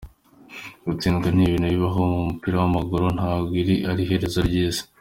Gutsindwa ni ibintu bibaho mu mupira w’amaguru, ntabwo iri ari iherezo ry’isi.